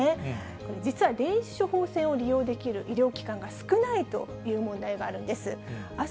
これ、実は電子処方箋を利用できる医療機関が少ないという問題があるんです。